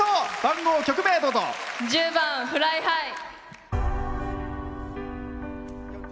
１０番「ＦｌｙＨｉｇｈ」。